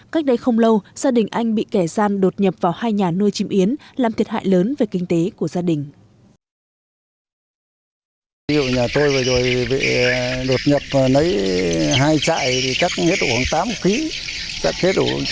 cách đây không lâu gia đình anh bị kẻ gian đột nhập vào hai nhà nuôi chim yến làm thiệt hại lớn về kinh tế của gia đình